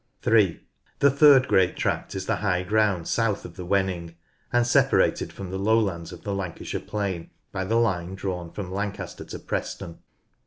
(3) The third great tract is the high ground south of the Wenning, and separated from the lowlands of the Lancashire plain by the line drawn from Lancaster to Preston.